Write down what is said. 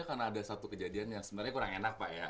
karena ada satu kejadian yang sebenarnya kurang enak pak ya